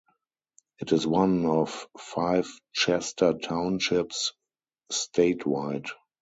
It is one of five Chester Townships statewide.